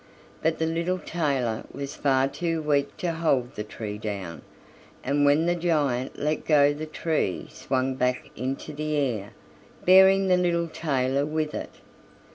But the little tailor was far too weak to hold the tree down, and when the giant let go the tree swung back into the air, bearing the little tailor with it.